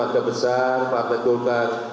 warga besar partai golkar